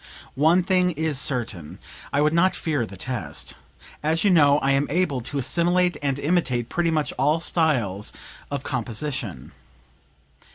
One thing is certain; I would not fear the test. As you know I am able to assimilate and imitate pretty much all styles of composition."